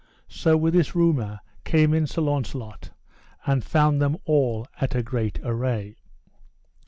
So with this rumour came in Sir Launcelot, and found them all at a great array.